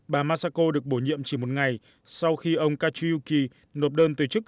bà masako được bổ nhiệm chỉ một ngày sau khi ông kachiyuki nộp đơn từ chức